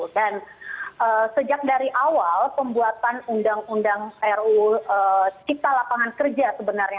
dan sejak dari awal pembuatan undang undang ruu cipta lapangan kerja sebenarnya